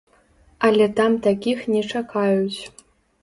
Але там такіх не чакаюць.